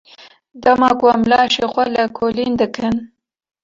Dema ku em laşê xwe lêkolîn dikin.